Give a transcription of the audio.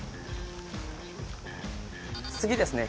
次ですね